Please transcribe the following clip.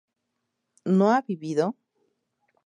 ¿no ha vivido?